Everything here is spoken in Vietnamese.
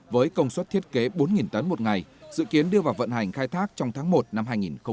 với công suất thiết kế bốn tấn một ngày dự kiến đưa vào vận hành khai thác trong tháng một năm hai nghìn hai mươi